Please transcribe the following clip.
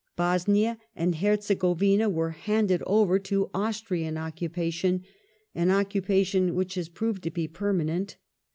Bosnia and Herze govina were handed over to Austrian occupation — an occupation which has proved to be permanent.